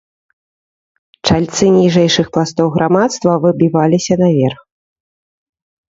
Чальцы ніжэйшых пластоў грамадства выбіваліся наверх.